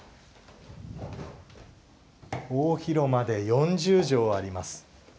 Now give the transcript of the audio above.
大広間で４０畳あります。